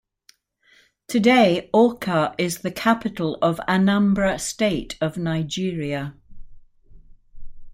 Today, Awka is the capital of Anambra state of Nigeria.